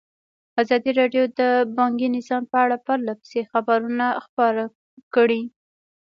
ازادي راډیو د بانکي نظام په اړه پرله پسې خبرونه خپاره کړي.